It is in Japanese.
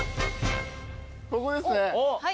ここですね。